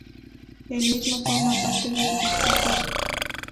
El mismo forma parte de su disco "Eterno".